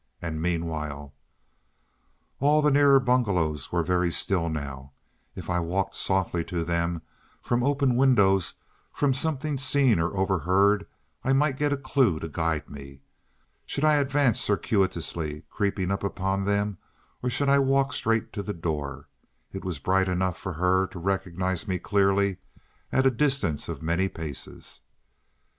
And meanwhile——— All the nearer bungalows were very still now. If I walked softly to them, from open windows, from something seen or overheard, I might get a clue to guide me. Should I advance circuitously, creeping upon them, or should I walk straight to the door? It was bright enough for her to recognize me clearly at a distance of many paces.